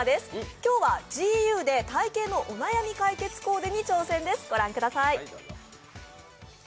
今日はＧＵで体型のお悩み解決コーデに挑戦です。